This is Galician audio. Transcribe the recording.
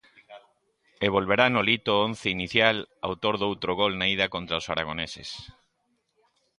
E volverá Nolito ao once inicial, autor doutro gol na ida contra os aragoneses.